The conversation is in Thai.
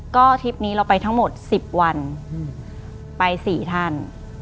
ก็ทริปนี้เราไปทั้งหมด๑๐วันไป๔ท่าน